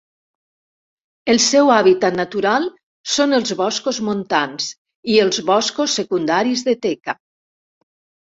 El seu hàbitat natural són els boscos montans i els boscos secundaris de teca.